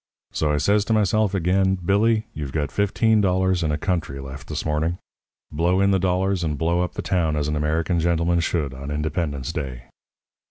So, I says to myself again: 'Billy, you've got fifteen dollars and a country left this morning blow in the dollars and blow up the town as an American gentleman should on Independence Day.'